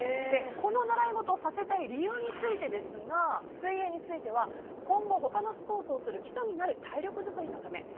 この習い事をさせたい理由についてですが水泳については今後、他のスポーツをする基礎になる体力作りのため。